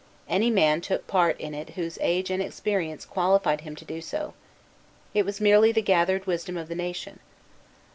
Any man took part in it whose age and experience qualified him to do so. It was merely the gathered wisdom of the nation.